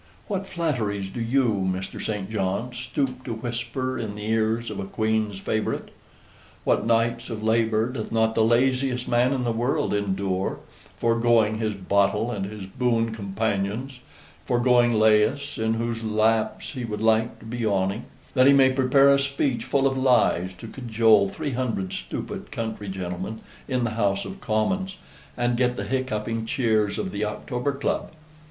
What flatteries do you, Mr. St. John, stoop to whisper in the ears of a queen's favorite? What nights of labor doth not the laziest man in the world endure, foregoing his bottle, and his boon companions, foregoing Lais, in whose lap he would like to be yawning, that he may prepare a speech full of lies, to cajole three hundred stupid country gentlemen in the House of Commons, and get the hiccupping cheers of the October Club!